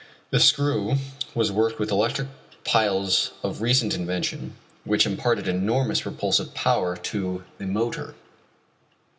The screw was worked with electric piles of recent invention which imparted enormous propulsive power to the motor.